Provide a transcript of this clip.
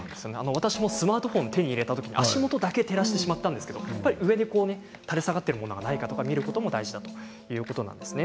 私もスマートフォンを手に入れたとき足元だけ照らしてしまったんですが上で垂れ下がっているものがないか見ることが大事ということです。